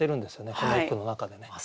この一句の中でね。